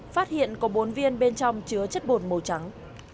phát hiện có bốn viên bên trong chứa chất bột màu trắng